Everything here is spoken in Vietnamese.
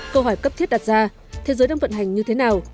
câu hỏi cấp thiết đặt ra thế giới đang vận hành như thế nào